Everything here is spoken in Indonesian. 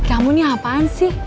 kamu ini apaan sih